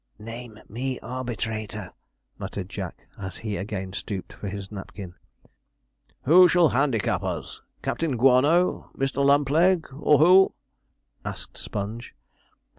'Name me arbitrator,' muttered Jack, as he again stooped for his napkin. 'Who shall handicap us? Captain Guano, Mr. Lumpleg, or who?' asked Sponge.